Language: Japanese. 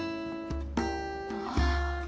ああ。